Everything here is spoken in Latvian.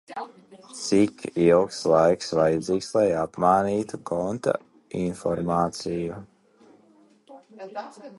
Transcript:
Cik ilgs laiks vajadzīgs, lai apmainītu konta informāciju?